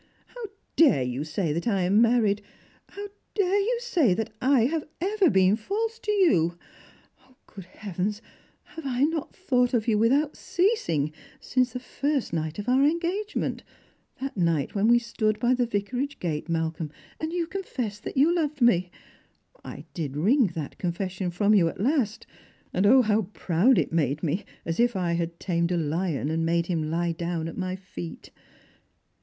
IIow dare you say that I am married ! how dare you say that I have ever been false to you ! Good heavens, have I not thought of ycu without ceasing since the first night of our engageuient, that night when wc stood by the Vicaraije Strangers and Pilgrims. 339 gate, Malcolm, and you confessed you loved me ? I did wring that confession from yon at last ; and O, how proud it made me, as if I had tamed a lion and made him lie down at my feet